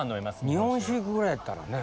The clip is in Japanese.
日本酒いくぐらいやったらね。